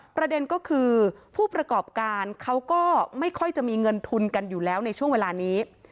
ประเด็นก็คือผู้ประกอบการเขาก็ไม่ค่อยจะมีเงินทุนกันอยู่แล้วในช่วงเวลานี้